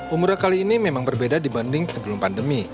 umroh kali ini memang berbeda dibanding sebelum pandemi